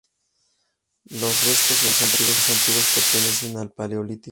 Los restos humanos más antiguos pertenecen al paleolítico.